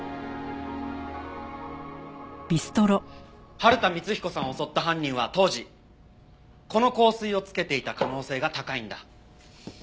春田光彦さんを襲った犯人は当時この香水をつけていた可能性が高いんだ。